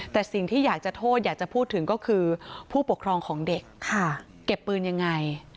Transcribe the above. แต่สิ่งที่อยากจะโทษอยากจะพูดถึงก็คือผู้ปกครองของเด็กเก็บปืนยังไง